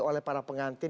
oleh para pengantin